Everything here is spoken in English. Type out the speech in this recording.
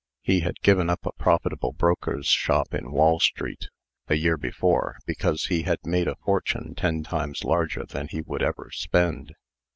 He had given up a profitable broker's shop in Wall street, a year before, because he had made a fortune ten times larger than he would ever spend.